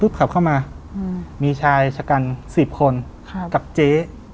อ่าขับเข้ามาอืมมีชายชะกันสิบคนครับกับเจ๊